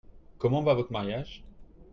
Comment va votre mariage ?